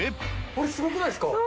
あれ、すごくないですか？